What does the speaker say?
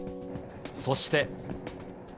そして。